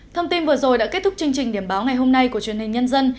thông tin vừa rồi đã kết thúc chương trình điểm báo ngày hôm nay của truyền hình nhân dân